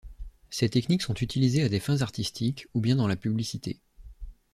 Ces techniques sont utilisées à des fins artistiques, ou bien dans la publicité.